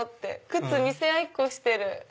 靴見せ合いっこしてる。